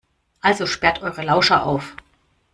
Also sperrt eure Lauscher auf!